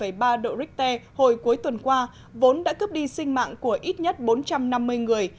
trận động đất mạnh bảy ba độ richter hồi cuối tuần qua vốn đã cướp đi sinh mạng của ít nhất bốn trăm năm mươi người